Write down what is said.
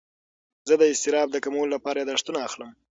زه د اضطراب د کمولو لپاره یاداښتونه اخلم.